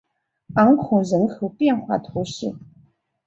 昂孔人口变化图示